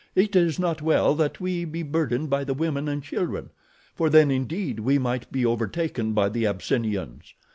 It is not well that we be burdened by the women and children, for then indeed we might be overtaken by the Abyssinians.